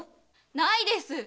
ないです。